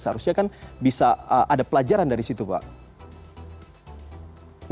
seharusnya kan bisa ada pelajaran dari situ pak